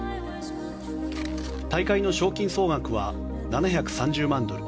大会の賞金総額は７３０万ドル